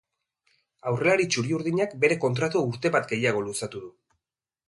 Aurrelari txuri-urdinak bere kontratua urte bat gehiago luzatu du.